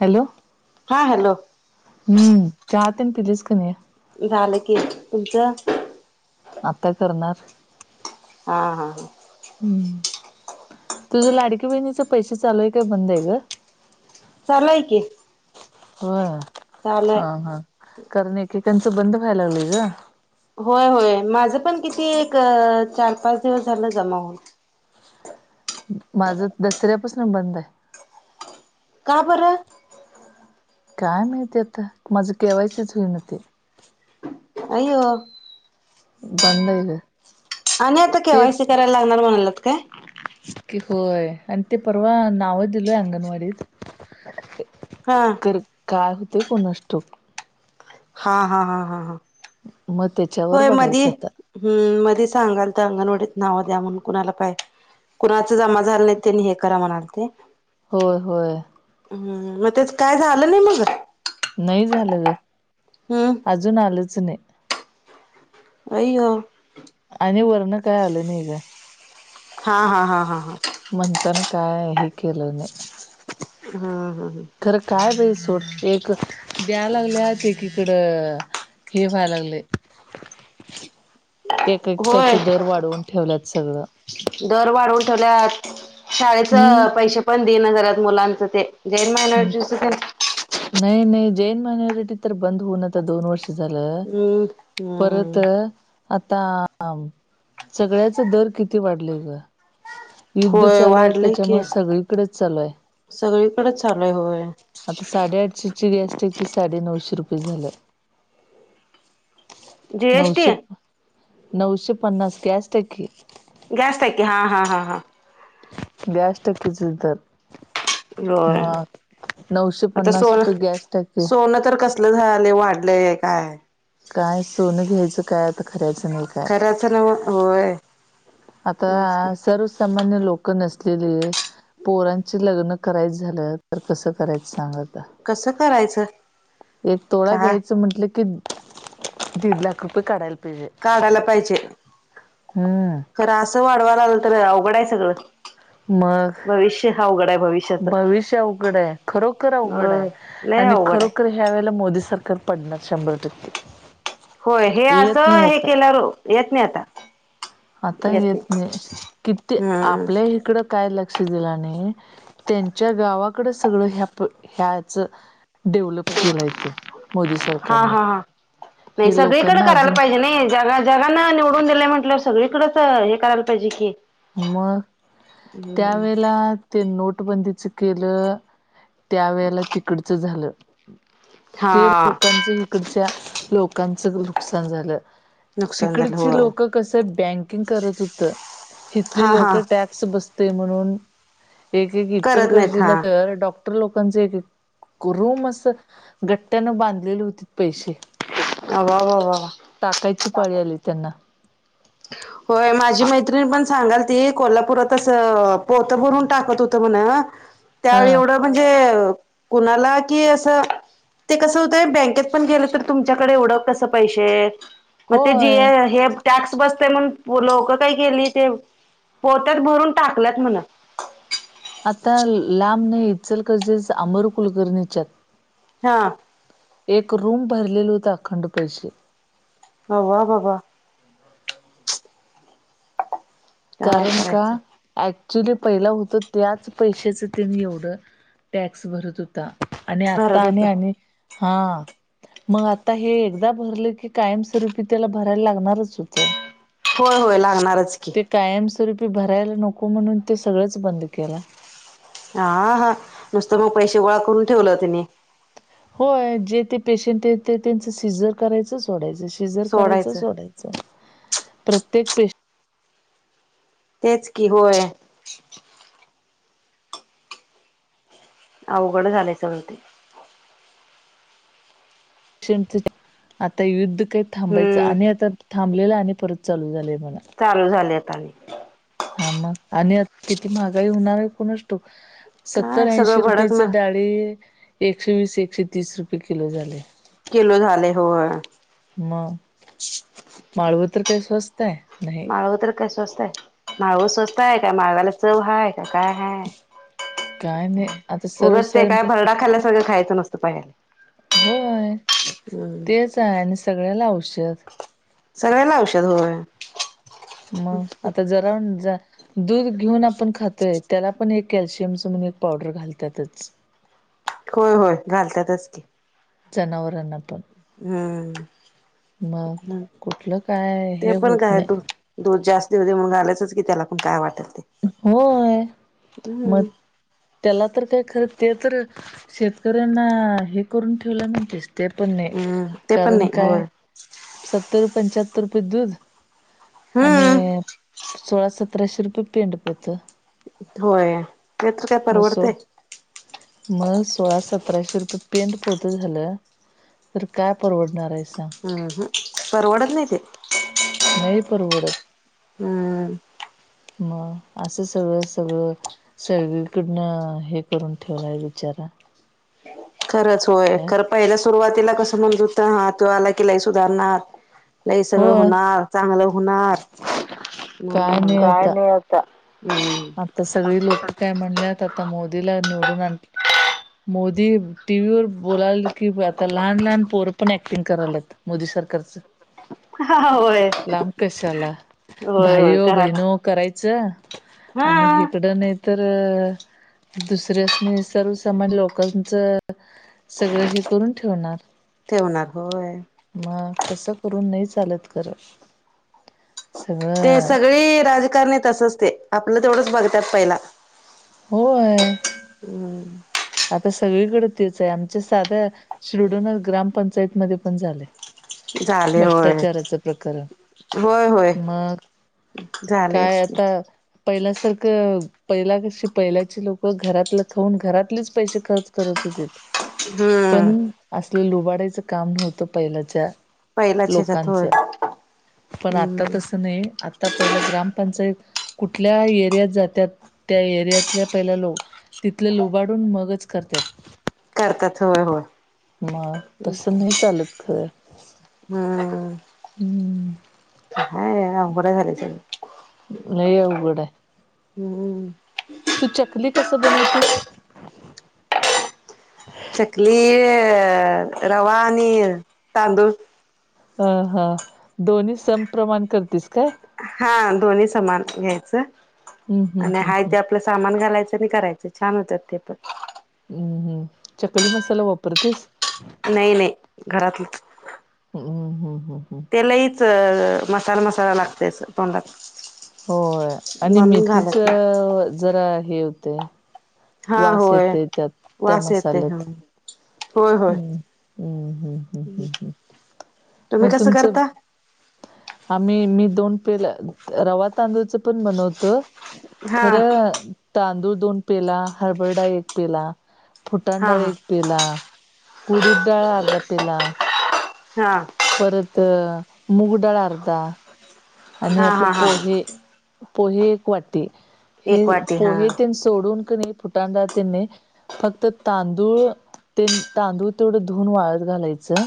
Hello. हा hello. हम्म, चहा तेन पिलीस की नाही. झालं की, तुमचं. आता करणार. हा हा. हम्, तुझं लाडकी बहिणीच पैसे चालूय काय बंद आहे ग. चालू हाय की. होय, चालूय हा हा, कारण एकेकांचं बंद व्हाय लागलय ग. होय होय माझं पण किती एक चार पाच दिवस झालं जमा हून. माझं दसऱ्यापासन बंद आहे. का बर. काय माहिती आता माझं के वाय सीच होईना ते. आइयो. बंद हाय ग. आणि आता के वाय तेच सी कराय लागनार मनायल्यात काय. कि होय, आणि ते परवा नाव दिलोय अंगणवाडीत. हा कर, काय होतय कुणाश ठाऊक. हा हा हा हा, मग त्याच्यावर होय मधी बघायचं आता हम्म मधी सांगालत अंगणवाडीत नावं द्या म्हणून कुणाला काय कुणाच जमा झाला नाही त्यांनी हे करा म्हणाले ते. होय होय. हम्, म त्याच काय झालं नाही मग. नाही झालं ग, हम्म अजून आलच नाही. आइयो. आणि वरन काय आलं नाही ग. हा हा हा हा हा. म्हणताना काय हे केलं नाही. हम्म हम्म. खरं काय बई सोड एक, द्याय लागल्यात एकीकडं हे व्हाय लागलय. होय, सगळं दर वाढऊन ठेवल्यात. शाळेच हम्म पैसे पण देणं झाल्यात मुलांच ते, जैन मायनॉरिटीच तेन. नाही, नाही जैन मायनॉरिटी तर बंद होऊन आता दोन वर्ष झालं हम्म परत हम्म आता सगळ्याच दर किती वाढलेय ग युद्ध होय चालू आहे त्याच्यामुळे सगळीकडेच चालू आहे सगळीकडेच चालूय होय साडे आठशेची गॅस टाकी आहे ती साडे नऊशे रुपये झालं जीएसटी नऊशे नऊशे पन्नास गॅस टाकी गॅस टाकी हा, हा, हा गॅस टाकीचच दर होय मग नऊशे पन्नास रुपये गॅस टाकी हो नई तर कस कसलं झालं वाढलंय काय काय सोनं घ्यायचं काय आता खरऱ्याचं नाही काय च नव्ह होय आता सर्वसामान्य लोक नसलेले पोरांचे लग्न करायचं झालं तर कसं करायचं सांग आता कसं करायचं एक तोळा काय घ्यायचं म्हटलं की दीड लाख रुपये काढायला पाहिजे काढायला पाहिजे हम्म खरं असं वाढवावं लागलं तर अवघड आहे सगळं मग भविष्य अवघड आहे भवि भविष्य अवघड आहे खरोखर अवघड अ आहे लय आणि अवघड आहे खरोखर ह्या वेळेला मोदी सरकार पडणार शंभर टक्के होय येत नाही असं हे आता केल्या येत नाही आता आता येत नाही किती आपल्या हा इकडं काय लक्ष दिला आणि त्यांच्या गावाकड सगळ ह ह्याच डेव्हलप केलाय त्यो मोदी हा सरकारनं हा हा नाही हे सगळीकडें लोकांना करायला अजून पाहिजे नाही जग जगाना निवडून दिलंय म्हटल्यावर सगळीकडेच हे करायला पाहिजे की मग त्या हम्म वेळायला ते नोटबंदीच केलं त्यावेेळेला तिकडचं झालं ते हा लोकांच इकडच्या लोकांचं नुकसान झालं नुकसान झालं हो तिकडची लोक कस बँकिंग करत होत हिथली हा लोक हा टॅक्स बसते म्हणून एक करत नाहीत इचलकरंजी हा तर डॉक टर लोकांचे एक, एक रूम अस गट्ट्यानं बांधलेली होतीत पैसे अवा वा वा वा टाकायची पाळी आली त्यांना होय माझी हा मैत्रिणी पण सांगाल ती कोल्हापुरात अस पोतं भरून टाकत होतं म्हण त्यावेळी एवढं म्हणजे कुणाला की अस ते कस होतय बँकेत पण गेलं तर तुम त्याच्याकडे एवढं कस पैसे मग ते जी होय टॅक्स बसतय म्हण लोकं काही केली ते पोत्याात भरून टाकल्यात म्हण आता लांब नाही इचलकरंजी अमर कुलकर्णीच्यात हा एक रूम भरलेल होत अखंड पैसे ह वा बाबा काय कारण का करायचं अऍक्च्युली पहिला होत त्याच पैशाच त्यांनी एवढं टॅक्स भरत होत आणि भरत आता होत आणि आणि हा मग आता हे एकदा भरलं की कायमस्वरूपी त्याला भरायला लागणारच होतं होय होय लागणारच की ते कायमस्वरूपी भरायला नको म्हणून ते सगळंच बंद केल हा हा नुसतं मग पैसे गोळा करून ठेवलं तिने होय जे ते पेशंट येतात ते त्यांच सिजर करायचं सोडायचं, सिजर करायचं सोडायचं प्रत्येक पेशं तेच की होय अवघड झालंय सगळ ते [unintelligible] आता युद्ध काही थांबायचं हम्म आणि आता थांबलेलं आणि परत चालू झालेय म्हणा चालू झालेत आणि हा मग आणि किती महागाई होणार आहे कोणास ठाऊक सत्तर काय ऐंशी सगळं रुपयेच भडकन डाळी एकशे वीस एकशे तीस रुपये किलो झाले किलो झाले होय. मग माळव तर काय स्वस्त आहे नाही. माळव तर काय स्वस्त आहे माळवं स्वस्तय काय माळव्याला चव हाय ते काय हाय, काय नाही आता उगच ते सर्वसार काय भरडा खाल्ल्या सारख खायचं नूसत [unintelligible] होय तेच आहे आणि सगळ्याला औषध सगळ्याला औषध व्हय मग आता जरा जा दूध घेऊन आपण खातोय त्याला पण एक कॅल्शियम च म्हणून एक पावडर घालतातच होय होय घालतातच की. जनावराना पण हम्म. मग कुठलं काय ते हे पण होत काय नाही. दूध दूध जास्त हो देऊ घालायचंच की त्याला पण काय वाटेल ते होय मग हम्म त्याला तर काय खरं ते तर शेतकऱ्यांना हे करून ठेवलय न तेच ते पण नाही हम्म ते पण कारण नाही काय होय सत्तर पंचाहतर रुपये दूध आणि हम्म सोळा सतराशे रुपये पेंड पोतं होय ते तर काय सो परवडते? मग सोळा सतराशे रुपये पेंडपोत झालं तर काय परवडणार आहे सांग. अह हम्म परवडत नाही ते नाही परवडत. हमम. मग असं सगळं सगळं. सगळीकडनं हे करून ठेवलाय बिचारा खरंच होय काय खरं पहिल्या सुरुवातीला कसं म्हणजुता ते आला कि लई सुधारणार लय सगळं होय होणार चांगलं होणार म काय नाही आता आता सगळी लोक काय म्हणल्यात आता मोदीला निवडून आण मोदी टी व्ही वर बोलाल की आता लहान लहान पोर पण ऍक्टिंग करायला लागली मोदी सरकारच हा होय लांब कशाला होय होय भाइयो करा बहनो करायचं आणि हा हिकडं नाही तर दुसऱ्यासनी सर्वसामान्य लोकांचं सगळं हे करून ठेवणार. ठेवणार होय मग असं करून नाही चालत खर. ते सगळी राजकारणी तसच ते आपलं तेवढंच बघतात पहिला होय. हम्म. आता सगळीकड तेच हाय, आमच्या साध शिरडोन ग्रामपंचायतमध्ये पण झालयं. झाले होय. प्रकरण होय, होय. मग झालयच कि. पहिल्या सारखं पहिला कशी पहिल्याची लोक घरातल खाऊन घरातलीच- - पैसे खर्च करत होतीत. हम्म. पण असलं लुबाडायचं काम नव्हतं पहिल्याच्या - - पहिलाच ह्याच्यात लोकांच होय पण आता हम्म तसं नाही. आता पहिला ग्रामपंचायत - - कुठल्या एरियात जात्यात त्या एरियातल्या पहिल्या लोक तिथले लुबाडून मग - - च करतात होय करत्यात होय मग तस नाही चालत खरं. हा आ. हम्म. [unintelligible] अवघडाय झालयं सगळं - - लई अवघडं हाय. हम्म. तू चकली कस बनवतिस. चकली अ रवा आणि तांदूळ - - ह ह. दोन्ही समप्रमाण करतीस काय? हा दोन्ही समान घ्यायचं हम्म हम्म आणि हम्म हा त्या आ - - पलं सामान घालायचं आणि करायचं छान होतात ते पण. हम्म हम्. चकली मसाला वापरतेस? नाही, नाही, घरातलं हम्म हम्म हम्म हम्म ते लई - - च मसाला मसाला लागतेय अस तोंडात. होय आणि म्हणून मेथीच घालत नाही जरा हे हुतय - - हा होय. त्या वास येतोय हं. मसाल्यात होय, होय. हम्म हम्म, हम्म, हम्, हम्, हम्. तुम्ही मग कसं तुमचं करता - -आम्ही मी दोन पेल रवा तांदूळचं पण बनवतो. हा खरं- - तांदूळ दोन पेला, हरभर डाळ एक पेला, फुटाण हा डाळ हा एक - - पिला, कुडीडळ अर्ध पिला. हां. परत मुगडाळ अर्धा - - आणि हा आपलं हा हा पोहे, पोहे एक वाटी हे एक वाटी हा पोहे तेन स - - सोडून कणी फुटांणडाळतनी - - फक्त तांदूळ तेन तांदूळ तेवढं धुवुन वाळत घालायचं.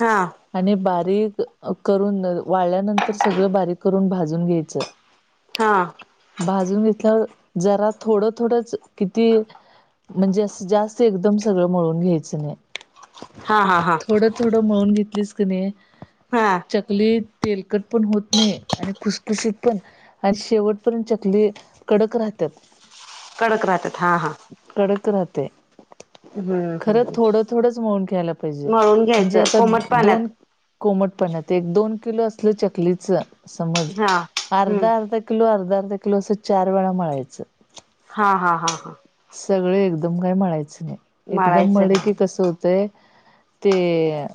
हां. आणि बारीक करून वाळल्यानंतर सगळं बारीक करून भाजून घ्यायचं. हा. भाजून घेतल्यावर जरा थोडं थोडंच किती - - म्हणजे असं जास्त एकदम सगळं मळून घ्यायचं नाही. हा, हा, हा. थोड थोड मळून घेतलीस कनी हा चकली तेलकट- - पण होत नाही आणि खुसखुशीत पण आणि शेवटपर्यंत चकली कडक राहत्यात. कडक राहत्यात. हां, हां. कडक राहतयं. हम्म खरं हम्म थोडं थोडंच मऊन ख्यायला पाहिजे मळून म्हणजे घ्यायचं आता कोमट दोन - पाण्यात - कोमटपण्यात एक दोन किलो असलं चकलीच समज हा हम्म अर्धा अर्धा किलो अर्धा अर्धा किलो असं चार वेळा मळायचं. हा हा हा हा. सगळे एकदम काय म्हणायचं नाही. एकदम मळायचं म्हले की नाही कसं होतंय, ते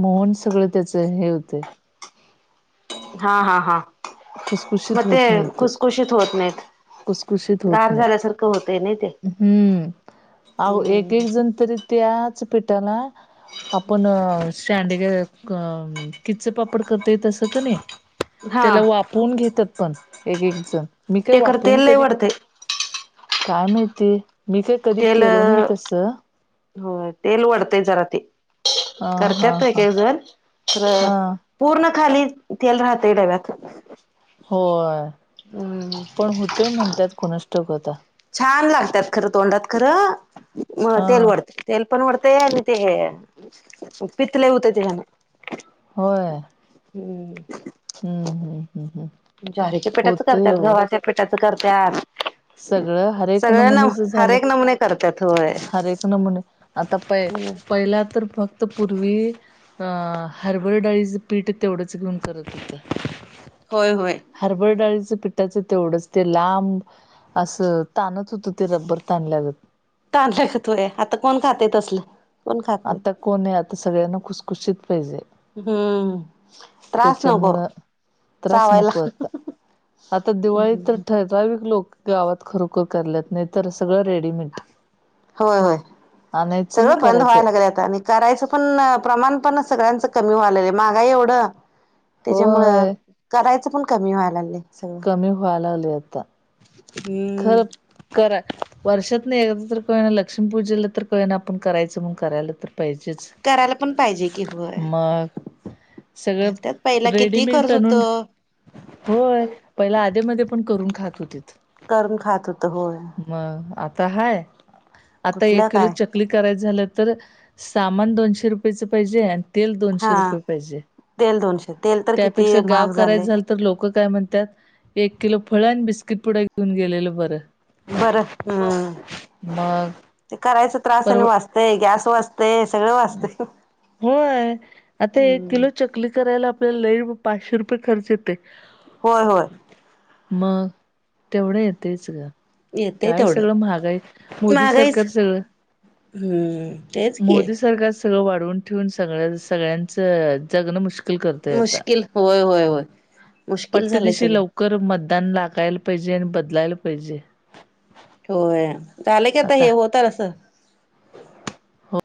मोहन सगळं त्याच हे होते. हा हा हा. मग खुसखुशीत ते होत नाही खुसखुशीत होत नाहीत. खुसखुशीत होत गार नाही झाल्यासारखं होतय नाही ते. अह एक एक हम्म जण तरी त्याच पिठाला आपण सांडग किच्च पापड करताय तसं कणी हा त्याला वाफवून घेतात पण एक एक जण मी काय ते खर तेल वाफवून लय कधी वढतय काय माहिती, मी काय कधी केलो नाही तस. हो. तेल वढतंय जरा ते. हा करतत एक हा एक जण खर हा पूर्ण खाली तेल राहते डव्यात. होय, पण होतेय म्हणतात कोणास ठाऊक आता. छान लागतात खरं तोंडात, खरं हा तेल वढते. तेल पण वरतंय आणि ते हे, पित्त लई होतय त्यानं. होय. हम्म, हम्म हम्म हम्म हम्म ज्वारीच्या पिठाचं होतय करतात, हो गव्हाच्या पिठाचं करत्यात. सगळं हर एक नमुनेच हर झालं, एक नमुने करतात होय हर एक नमुने आता पय पहिला तर फक्त पूर्वी हा, हरभरा डाळीचं पीठ तेवढंच घेऊन करत होतं. होय होय. हरभरा डाळीचं पिठाचं तेवढंच ते लांब असं ताणत होतं ते रब्बर ताणल्या गत. तानल्यागत होय, आता कोण खाते तसलं? आता कोण नाही, आता सगळ्यांना खुसखुशीत पाहिजे. हम्म. त्रास नको त्याच्यामुळं त्रास चावायला. नको आता आता दिवाळी तर ठराविक लोक गावात खरोखर कराल्यात नाही तर सगळं रेडीमेट. होय होय. आणि सगळं बंद करायचं व्हायला लागलय आता. करायचं पण प्रमाण पण सगळ्यांचं कमी व्हालंय महागाई एवढं त्याच्यामुळं होय करायचं पण कमी व्हायला लागलंय सगळं. कमी व्हालागलय आता. हम्म. खर करा वर्षातून एकदा तर का व्हीना लक्ष्मी पूजेला तर का व्हीना, आपण करायचं म्हण करायला तर पाहिजेच. करायला पण पाहिजे की होय. मग करत्यात सगळं पहिला किती रेडीमेड कर्ज आणून होतं. होय, पहिला आधी मधी पण करून खात होतीत. करून खात होत होय. मग आता हाय? आता कुठलं एक किलो काय च चकली करायच झालं तर सामान दोनशे रुपयेचं पाहिजे. तेल दोनशे हा. रुपये पाहिजे. तेल दोनशे तेल तर किती त्यापेक्षा गाव महाग कराय झालंय झाल तर लोक काय म्हणतात एक किलो फळ आणि बिस्किट पुढं घेऊन गेलेलं बरं. बरं हम्म. मग ते करायच त्रास आणि परव वाचतय गॅस वाचत ते सगळं वाचतय. होय. आता एक हम्म. किलो चक् चकली करायला आपल्याला लई पाचशे रुपये खर्च येतोय. होय होय. मग तेवढं येतंच ग. येतय काय तेवढं सगळं महागाई, मोदी सरकार सगळं हम तेच की! मोदी सरकार सगळं वाढवून ठेवून सगळ सगळ्यांचं जगणं मुश्कल मुश्किल होय होय होय मुश्किल झालंय सगळं. चुकर मतदान लागायला पाहिजे आणि बदलायला पाहिजे. होय झालं की आता हे होत असं.